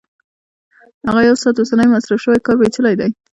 هغه یو ساعت اوسنی مصرف شوی کار پېچلی دی